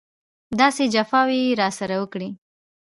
داسې جفاوې یې راسره وکړې.